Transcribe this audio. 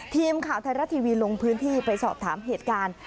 ทีมข่าวไทยรัฐทีวีลงพื้นที่ไปสอบถามเหตุการณ์